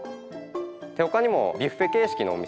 ほかにもビュッフェ形式のお店。